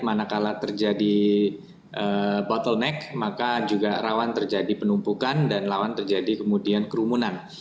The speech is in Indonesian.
mana kala terjadi bottleneck maka juga rawan terjadi penumpukan dan lawan terjadi kemudian kerumunan